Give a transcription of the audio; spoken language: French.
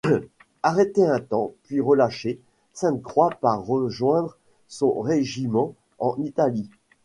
Arrêté un temps, puis relâché, Sainte-Croix part rejoindre son régiment en Italie.